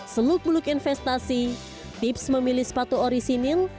seluk beluk investasi tips memilih sepatu orisinil